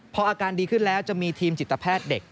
พออาการดีขึ้นแล้วจะมีทีมจิตแพทย์เด็ก